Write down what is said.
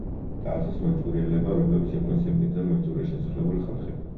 დააარსეს მანჯურიელებმა, რომლებიც იყვნენ ციმბირიდან მანჯურიაში ჩასახლებული ხალხები.